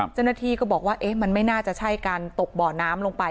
เจ้าหน้าที่ก็บอกว่ามันไม่น่าจะใช่การตกบ่อน้ำลงไป